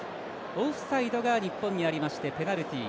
オフサイドが日本にあってペナルティ。